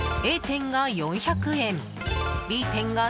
Ａ店が４００円